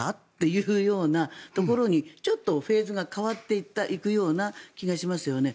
いうようなところにちょっとフェーズが変わっていくような気がしますよね。